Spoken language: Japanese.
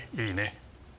いいね？